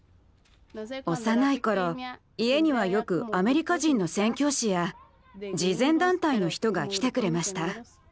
幼いころ家にはよくアメリカ人の宣教師や慈善団体の人が来てくれました。